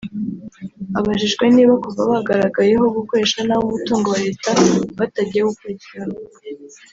Abajijwe niba kuva bagaragayeho gukoresha nabi umutungo wa Leta batagiye gukurikiranwa